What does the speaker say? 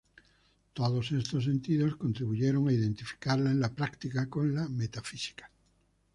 Todos estos sentidos contribuyeron a identificarla en la práctica con la metafísica.